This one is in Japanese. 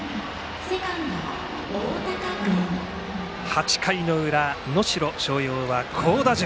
８回の裏、能代松陽は好打順。